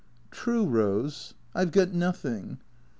" True, Rose. I 've got nothing."